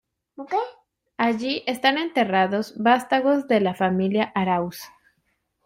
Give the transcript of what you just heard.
Allí están enterrados vástagos de la familia Arauz.